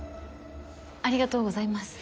ありがとうございます。